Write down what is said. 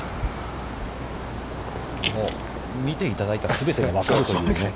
見ていただいた全てで分かるというね。